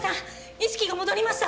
意識が戻りました！